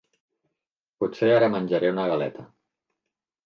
Potser ara menjaré una galeta.